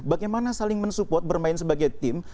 bagaimana saling mensupport bermain sebagai tim